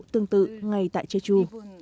tương tự ngay tại jeju